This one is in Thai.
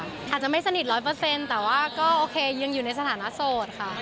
อาจจะไม่สนิท๑๐๐แต่ว่าก็โอเคยังอยู่ในสถานะโสดค่ะ